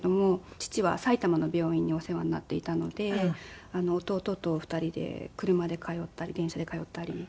父は埼玉の病院にお世話になっていたので弟と２人で車で通ったり電車で通ったり。